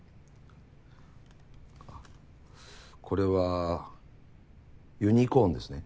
これはユニコーンですね。